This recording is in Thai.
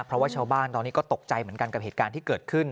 เพราะว่าชาวบ้านตอนนี้ก็ตกใจเหมือนกันกับเหตุการณ์ที่เกิดขึ้น